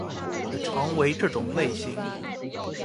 的常为这种类型。